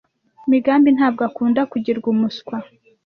Migambi ntabwo akunda kugirwa umuswa.